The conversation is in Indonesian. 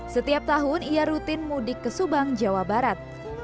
setiap tahun ia rutin mudik ke subang jawa barat